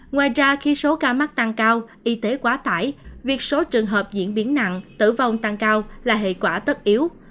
ngoài ra khi số ca mắc tăng cao y tế quá tải việc số trường hợp diễn biến nặng tử vong tăng cao là hệ quả tất yếu